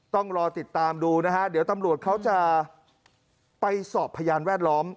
ต้องรอติดตามดูนะฮะเดี๋ยวตำรวจเขาจะไปสอบพยานแวดล้อม